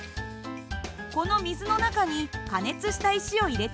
この水の中に加熱した石を入れてみましょう。